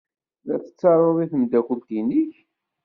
La tettarud i tmeddakelt-nnek?